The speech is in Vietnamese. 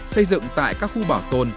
xây dựng tại các khu bảo tồn